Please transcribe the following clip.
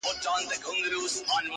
قلم هلته پاچا دی او کتاب پکښي وزیر دی،